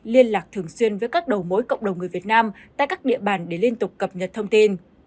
liên lạc thường xuyên với các đầu mối cộng đồng người việt nam tại các địa bàn để liên tục cập nhật thông tin